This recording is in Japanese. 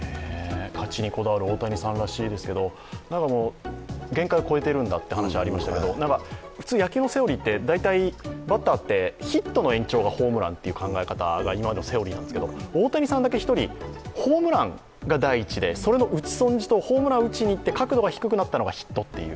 勝ちにこだわる大谷さんらしいですけど、限界を超えているんだという話がありましたけど、普通、野球のセオリーって大体バッターってヒットの延長がホームランという考え方が今までのセオリーなんですけど、大谷さんだけ１人ホームランが第一で、それの打ち損じとホームラン打ちにいって角度が低くなったのがヒットという。